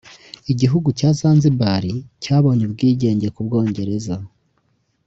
Igihugu cya Zanzibar cyabonye ubwigenge ku bwongereza